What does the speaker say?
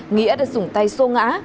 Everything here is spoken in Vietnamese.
nghĩa đã dùng tay sô ngã